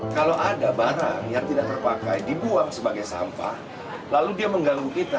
kalau ada barang yang tidak terpakai dibuang sebagai sampah lalu dia mengganggu kita